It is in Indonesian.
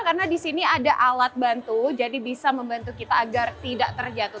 karena disini ada alat bantu jadi bisa membantu kita agar tidak terjatuh